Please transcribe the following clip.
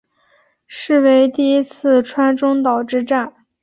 是为第一次川中岛之战。